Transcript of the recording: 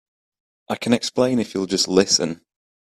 I can explain if you'll just listen.